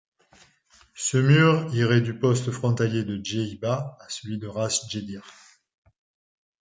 Ce mur irait du poste frontalier de Dehiba à celui de Ras Jedir.